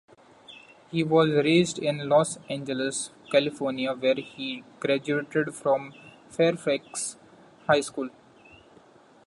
He was raised in Los Angeles, California, where he graduated from Fairfax High School.